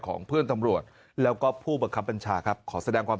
ของเพื่อนตำรวจแล้วก็ผู้บังคับบัญชาครับขอแสดงความ